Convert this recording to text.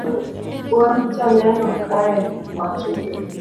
wan joneno kae wate